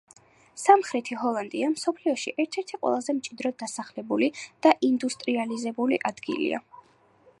სამხრეთი ჰოლანდია მსოფლიოში ერთ-ერთი ყველაზე მჭიდროდ დასახლებული და ინდუსტრიალიზებული ადგილია.